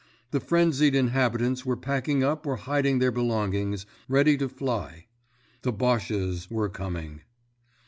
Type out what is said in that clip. The frenzied inhabitants were packing up or hiding their belongings, ready to fly. The "Bosches" were coming!